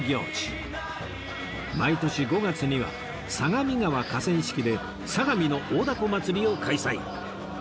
毎年５月には相模川河川敷で相模の大凧まつりを開催